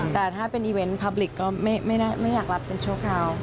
แต่ถ้าเป็นอีเวนต์พับลิกก็ไม่อยากรับเป็นชั่วคราว